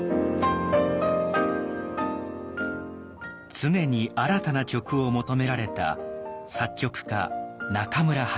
常に新たな曲を求められた作曲家中村八大。